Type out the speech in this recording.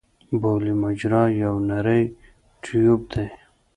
بولي مجرا یو نری ټیوب دی.